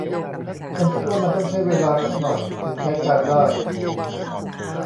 ฉันคิดว่ามันต้องใช้เวลาซักหน่อยถึงใช้การได้